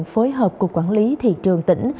phối hợp cục quản lý thị trường tỉnh